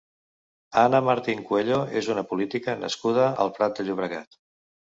Anna Martín Cuello és una política nascuda al Prat de Llobregat.